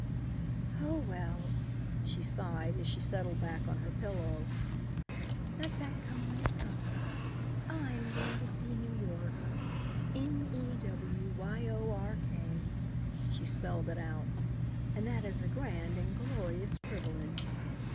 Ho, well," she sighed, as she settled back on her pillow, "let that come when it comes. I am going to see New York N e w Y o r k " she spelled it out; "and that is a grand and glorious privilege."